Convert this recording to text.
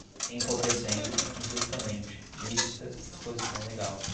empobrecendo, injustamente, lícita, disposição legal